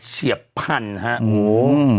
เฉียบพันธุ์ครับ